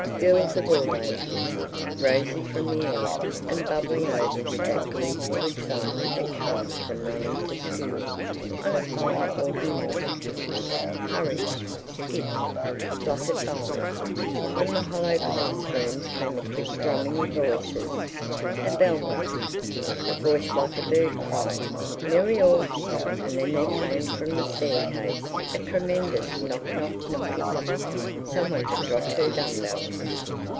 Girls of all ages, rosy from the air, and bubbling over with that gleeful excitement that comes from running to school on a fine autumn morning, hurried, skipped, fluttered by; from the hollow class rooms came a quick drumming of voices; a bell rang; a voice like a bird cried, "Muriel." And then there came from the staircase a tremendous knock knock knocking. Some one had dropped her dumbbells.